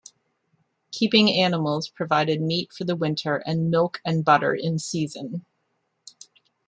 Keeping animals provided meat for the winter and milk and butter in season.